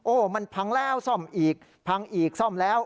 โอ้โหมันพังแล้วซ่อมอีกพังอีกซ่อมแล้ว